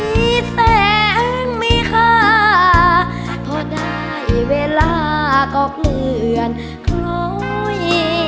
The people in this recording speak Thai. มีแต่มีค่าเพราะได้เวลาก็เคลื่อนเคร้อย